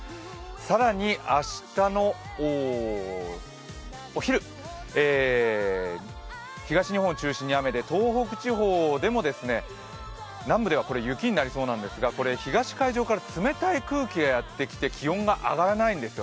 更に明日のお昼、東日本を中心に雨で東北地方でも南部では雪になりそうなんですが、これ東海上から冷たい空気がやってきて気温が上がらないんです。